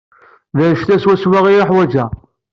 D annect-a swaswa i uḥwaǧeɣ.